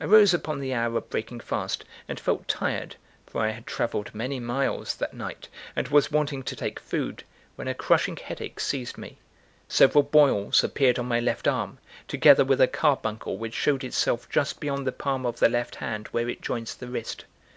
I rose upon the hour of breaking fast, and felt tired, for I had travelled many miles that night, and was wanting to take food, when a crushing headache seized me; several boils appeared on my left arm, together with a carbuncle which showed itself just beyond the palm of the left hand where it joins the wrist.